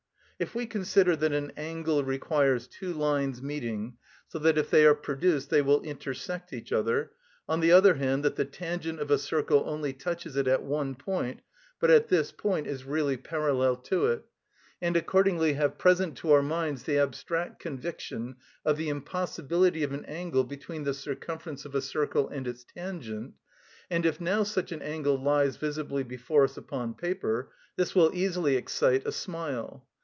If we consider that an angle requires two lines meeting so that if they are produced they will intersect each other; on the other hand, that the tangent of a circle only touches it at one point, but at this point is really parallel to it; and accordingly have present to our minds the abstract conviction of the impossibility of an angle between the circumference of a circle and its tangent; and if now such an angle lies visibly before us upon paper, this will easily excite a smile.